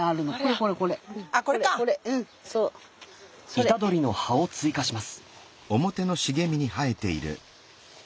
イタドリの葉を追加します。